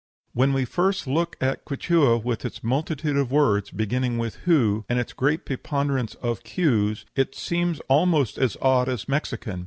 "When we first look at Quichua, with its multitude of words, beginning with hu, and its great preponderance of q's, it seems almost as odd as Mexican.